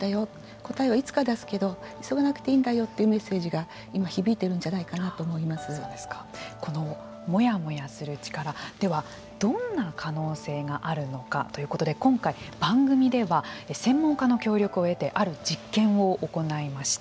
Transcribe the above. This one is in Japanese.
答えは、いつか出すけど急がなくていいんだよというメッセージが今、響いているんじゃないかなとこのモヤモヤする力では、どんな可能性があるのかということで今回、番組では専門家の協力を得てある実験を行いました。